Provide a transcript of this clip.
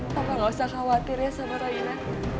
papa gak usah khawatir ya sama raina